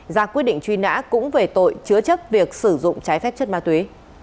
ra quyết định truy nã cũng về tội chứa chấp việc sử dụng trái phép chất ma túy